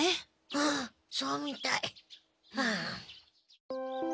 うんそうみたい。